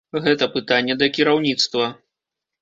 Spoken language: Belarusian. Гэта пытанне да кіраўніцтва.